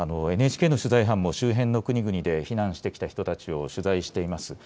ＮＨＫの取材班も周辺の国々で避難してきた人たちを取材しています。